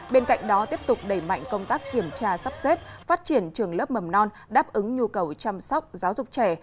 bên cạnh đó tiếp tục đẩy mạnh công tác kiểm tra sắp xếp phát triển trường lớp mầm non đáp ứng nhu cầu chăm sóc giáo dục trẻ